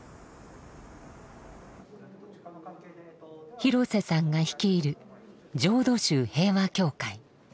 廣瀬さんが率いる浄土宗平和協会。